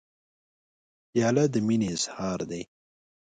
پیاله د مینې اظهار دی.